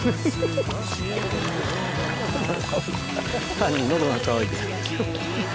単に喉が渇いてた。